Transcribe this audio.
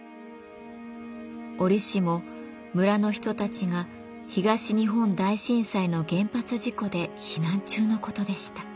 折しも村の人たちが東日本大震災の原発事故で避難中のことでした。